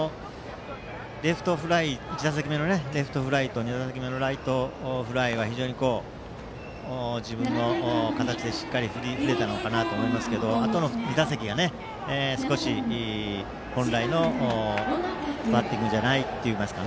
１打席目のレフトフライと２打席目のライトフライは非常に自分の形でしっかり振り切れたのかなと思いますけどあとの２打席が少し本来のバッティングじゃないといいますか。